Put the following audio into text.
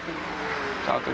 satu dua tiga tujuh